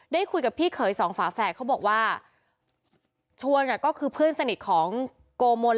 ได้คุยกับพี่เขยสองฝาแฝดเขาบอกว่าชวนก็คือเพื่อนสนิทของโกมน